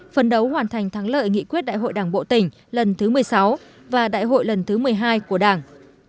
phấn đấu hoàn thành thắng lợi nghị quyết đại hội đảng bộ tỉnh lần thứ một mươi sáu và đại hội lần thứ một mươi hai của đảng